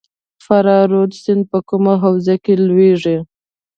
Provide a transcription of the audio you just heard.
فرا رود سیند په کومه حوزه کې لویږي؟